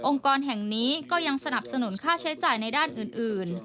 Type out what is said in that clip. กรแห่งนี้ก็ยังสนับสนุนค่าใช้จ่ายในด้านอื่น